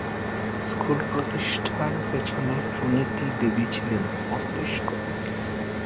School প্রতিষ্ঠার পেছনে সুনীতি দেবী ছিলেন মস্তিষ্ক।